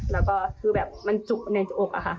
แล้วคือแบบจุกในอกค่ะ